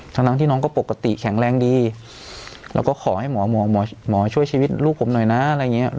ทั้งที่น้องก็ปกติแข็งแรงดีแล้วก็ขอให้หมอหมอช่วยชีวิตลูกผมหน่อยนะอะไรอย่างเงี้ย